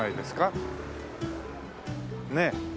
ねえ。